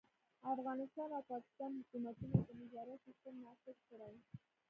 افغانستان او پاکستان حکومتونه د نظارت سیستم نافذ کړي.